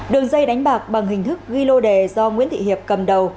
đường dây đánh bạc bằng hình thức ghi lô đề do nguyễn thị hiệp cầm đầu